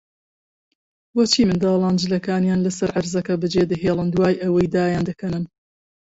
بۆچی منداڵان جلەکانیان لەسەر عەرزەکە بەجێدەهێڵن، دوای ئەوەی دایاندەکەنن؟